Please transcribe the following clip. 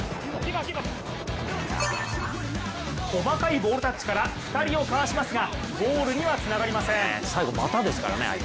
細かいボールタッチから２人をかわしますがゴールには、つながりません。